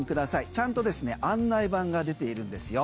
ちゃんと案内板が出ているんですよ。